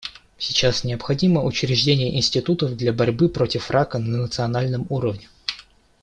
Сейчас необходимо учреждение институтов для борьбы против рака на национальном уровне.